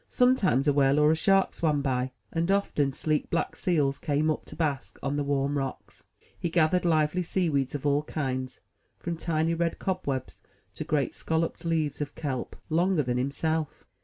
Sometimes a whale or a shark swam by, and often sleek black seals came up to bask on the warm rocks. He gathered lively sea weeds of all kinds, from tiny red cobwebs to great scalloped leaves of kelp, longer than himself.